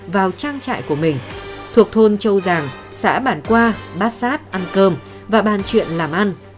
vào trang trại của mình thuộc thôn châu giàng xã bản qua bát sát ăn cơm và bàn chuyện làm ăn